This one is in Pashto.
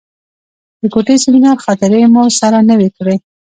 د کوټې سیمینار خاطرې مو سره نوې کړې.